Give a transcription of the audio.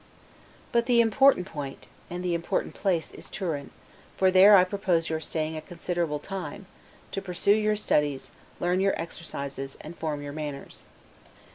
But the important point; and the important place, is Turin; for there I propose your staying a considerable time, to pursue your studies, learn your exercises, and form your manners.